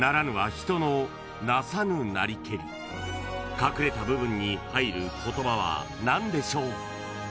［隠れた部分に入る言葉は何でしょう？］